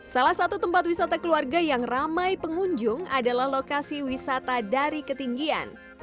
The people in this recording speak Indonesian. salah satu tempat wisata keluarga yang ramai pengunjung adalah lokasi wisata dari ketinggian